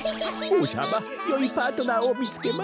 おうさまよいパートナーをみつけましたな。